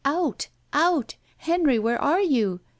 "Out! Out! Henry, where are you?